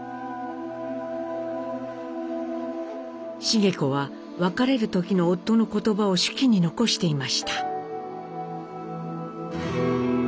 繁子は別れる時の夫の言葉を手記に残していました。